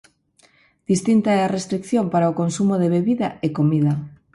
Distinta é a restrición para o consumo de bebida e comida.